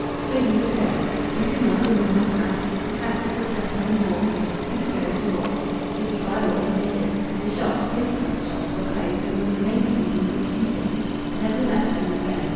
So he would go. He could not and would not pack; to pack would distress him and bore him; he would go as he was. He could buy what he needed. The shops his kind of shops were closed, and would remain closed until Tuesday. Nevertheless, he would go.